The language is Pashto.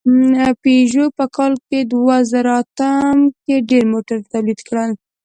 پيژو په کال دوهزرهاتم کې ډېر موټر تولید کړل.